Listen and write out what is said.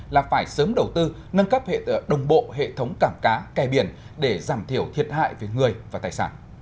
là phải sớm đầu tư nâng cấp đồng bộ hệ thống cảng cá kè biển để giảm thiểu thiệt hại về người và tài sản